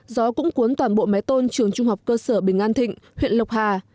gió cũng cuốn toàn bộ mái tôn trường trung học cơ sở bình an thịnh huyện lộc hà